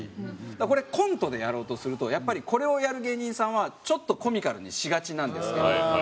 これをコントでやろうとするとやっぱりこれをやる芸人さんはちょっとコミカルにしがちなんですけど。